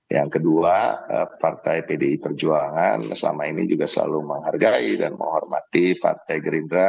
yang kedua partai pdi perjuangan selama ini juga selalu menghargai dan menghormati partai gerindra